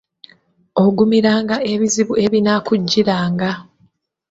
Ogumiranga ebizibu ebinaakujjiranga.